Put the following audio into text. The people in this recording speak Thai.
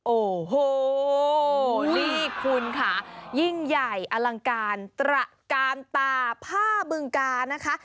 โอ้โหนี่คุณค่ะยิ่งใหญ่อลังการตระกาลตาผ้าบึงกานะคะ